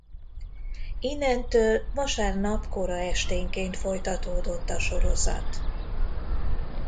Innentől vasárnap kora esténként folytatódott a sorozat.